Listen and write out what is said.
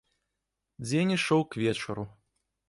Дзень ішоў к вечару.